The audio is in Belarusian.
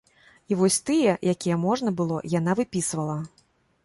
І вось тыя, якія можна было, яна выпісвала.